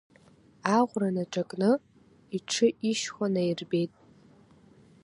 Аӷәра наҿакны, иҽы ишьхәа наирбеит…